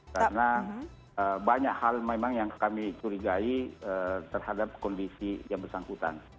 karena banyak hal memang yang kami curigai terhadap kondisi yang bersangkutan